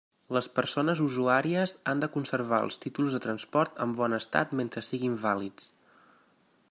Les persones usuàries han de conservar els títols de transport en bon estat mentre siguin vàlids.